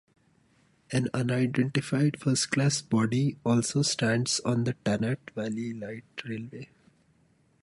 An unidentified First Class body also stands on the Tanat Valley Light Railway.